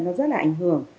nó rất là ảnh hưởng